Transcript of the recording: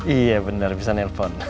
iya bener bisa nelpon